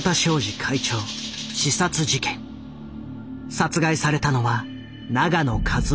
殺害されたのは永野一男会長。